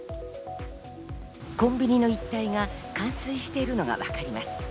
コンビニの一帯が冠水しているのがわかります。